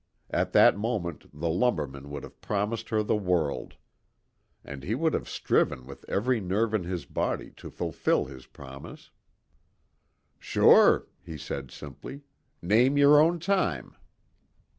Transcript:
At that moment the lumberman would have promised her the world. And he would have striven with every nerve in his body to fulfil his promise. "Sure," he said simply. "Name your own time."